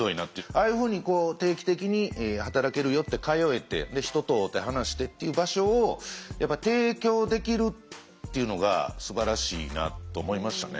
ああいうふうに定期的に働けるよって通えて人と会うて話してっていう場所をやっぱ提供できるっていうのがすばらしいなと思いましたね。